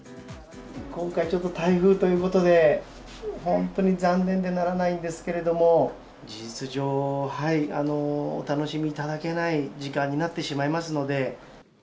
今回、ちょっと台風ということで、本当に残念でならないんですけれども、事実上、お楽しみいただけない時間になってしまいますので。